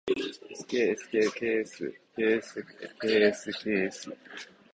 skskksksksks